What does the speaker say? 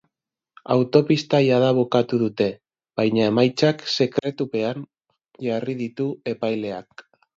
Autopsia jada bukatu dute, baina emaitzak sekretupean jarri ditu epaileak.